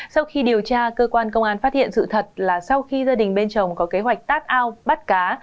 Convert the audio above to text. sau khi điều tra cơ quan công an phát hiện sự thật là sau khi gia đình bên chồng có kế hoạch tát ao bắt cá